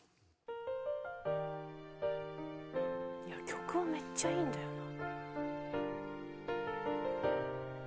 曲はめっちゃいいんだよな。